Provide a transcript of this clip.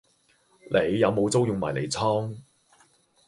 你有冇租用迷你倉？